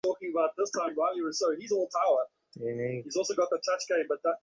তিনি তাঁর পদকটি খোলেননি।